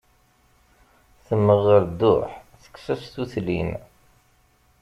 Temmeɣ ɣer dduḥ, tekkes-as tutlin.